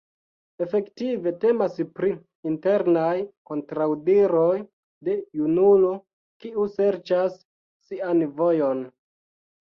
Efektive, temas pri internaj kontraŭdiroj de junulo, kiu serĉas sian vojon.